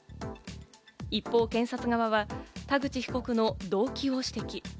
一方、検察側は田口被告の動機を指摘。